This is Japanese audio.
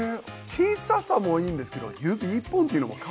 小ささもいいんですけど指１本というのもかわいいですね。